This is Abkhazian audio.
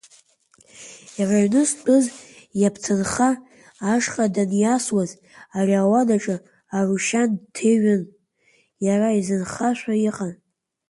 Иара аҩны зтәыз, иабҭынха ашҟа даниасуаз, абри ауадаҿы Арушьан дҭеиҩын, иара изынхашәа иҟан.